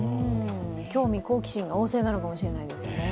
興味、好奇心が旺盛なのかもしれないですね。